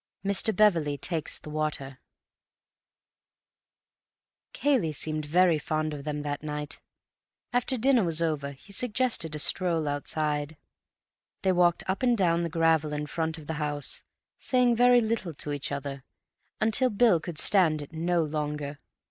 Mr. Beverley Takes the Water Cayley seemed very fond of them that night. After dinner was over, he suggested a stroll outside. They walked up and down the gravel in front of the house, saying very little to each other, until Bill could stand it no longer.